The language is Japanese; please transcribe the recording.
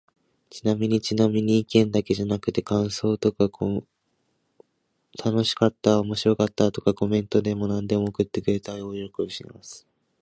ちなみにちなみに、意見だけじゃなくて感想とか楽しかった〜おもろかった〜とか、コメントなんでも送ってくれたら大喜びします。